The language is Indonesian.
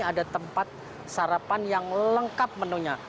ada tempat sarapan yang lengkap menunya